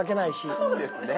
そうですね。